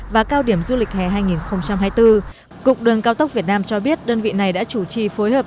và cao điểm du lịch hè hai nghìn hai mươi bốn cục đường cao tốc việt nam cho biết đơn vị này đã chủ trì phối hợp